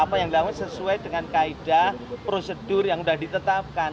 orang jepang ini sudah terinfeksi sebelum masuk ke indonesia begitu kan